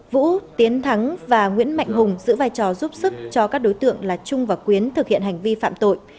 vũ tiến thắng và nguyễn mạnh hùng giữ vai trò giúp sức cho các đối tượng là trung và quyến thực hiện hành vi phạm tội